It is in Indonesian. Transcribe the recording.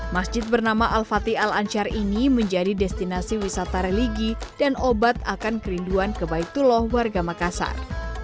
masjid bernama al fatih al ansyar ini menjadi destinasi wisata religi dan obat akan kerinduan kebaikullah warga makassar